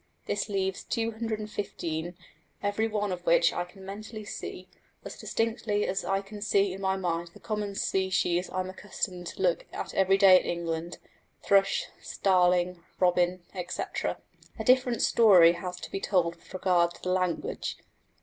This leaves 215, every one of which I can mentally see as distinctly as I see in my mind the common species I am accustomed to look at every day in England thrush, starling, robin, etc. A different story has to be told with regard to the language.